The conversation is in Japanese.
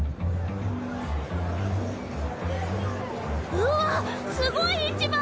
うわっすごい市場！